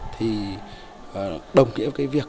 thì đồng nghĩa với việc bảo tàng